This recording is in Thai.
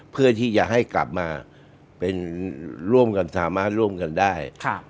เพื่อที่จะให้กลับมาเป็นร่วมกันสามารถร่วมกันได้